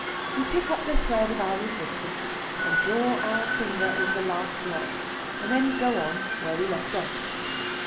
We pick up the thread of our existence, and draw our finger over the last knots, and then go on where we left off.